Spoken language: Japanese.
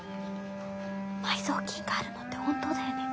埋蔵金があるのって本当だよね？